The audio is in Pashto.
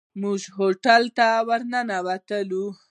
موږ هوټل ته ورننوتلو.